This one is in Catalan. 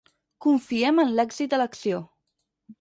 Confiem en l'èxit de l'acció.